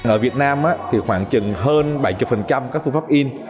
ở việt nam thì khoảng chừng hơn bảy mươi các phương pháp in